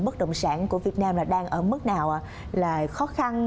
bất động sản của việt nam là đang ở mức nào là khó khăn